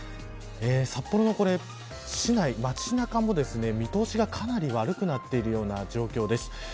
札幌の市内、街中も見通しがかなり悪くなっているような状況です。